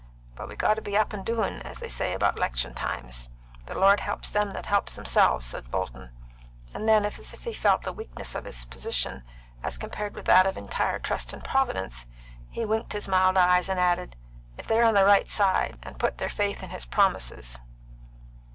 But we got to be up and doin', as they say about 'lection times. The Lord helps them that helps themselves," said Bolton, and then, as if he felt the weakness of this position as compared with that of entire trust in Providence, he winked his mild eyes, and added, "if they're on the right side, and put their faith in His promises."